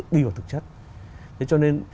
đi vào thực chất thế cho nên